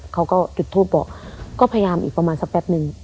เขาก็จุดทูปบอกก็พยายามอีกประมาณสักแป๊บนึง